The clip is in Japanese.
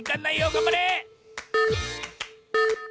がんばれ！